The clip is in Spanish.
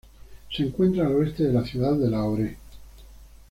Se encuentra al oeste de la ciudad de Lahore.